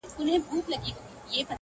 د خاموشۍ بندونه ونړوي